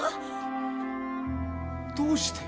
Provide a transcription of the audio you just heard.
どうして？